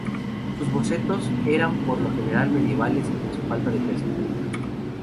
Sus bocetos eran por lo general medievales en su falta de perspectiva.